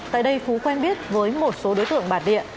tại đây phú quen biết vừa đi làm đối tượng này